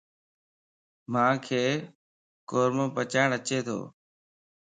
مانک قورمو پڇاڙ اچي تو.